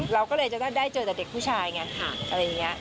เราก็เลยจะได้เจอแต่เด็กผู้ชายไงค่ะอะไรอย่างนี้